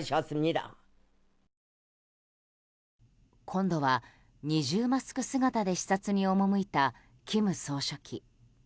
今度は二重マスク姿で視察に赴いた金総書記。